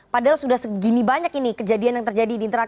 padahal sudah segini banyak ini kejadian yang terjadi di internal kpk